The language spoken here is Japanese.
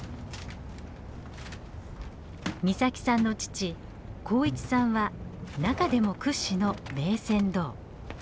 岬さんの父幸一さんは中でも屈指の名船頭。